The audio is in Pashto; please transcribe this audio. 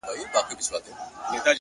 د زاړه فرش غږ د هر قدم یاد ساتي!.